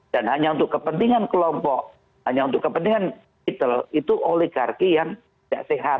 hanya untuk kepentingan kelompok hanya untuk kepentingan digital itu oligarki yang tidak sehat